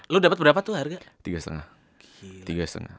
lo dapet berapa tuh harga